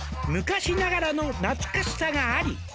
「昔ながらの懐かしさがあり」